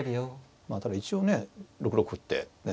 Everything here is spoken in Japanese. まあただ一応ね６六歩ってねえ